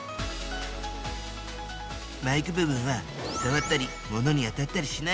マイク部分はさわったり物にあたったりしないように。